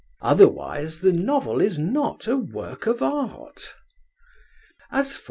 Otherwise the novel is not a work of art. As for M.